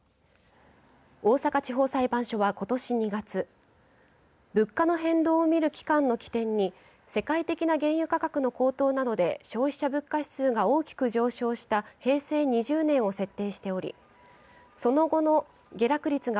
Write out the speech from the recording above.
大阪地方裁判所は、ことし２月物価の変動を見る期間の起点に世界的な原油価格の高騰などで消費者物価指数が大きく上昇した平成２０年を設定しておりその後の下落率が